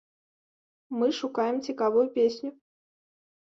Мы шукаем цікавую песню.